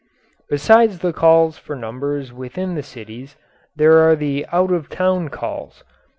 Besides the calls for numbers within the cities there are the out of town calls.